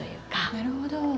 なるほど。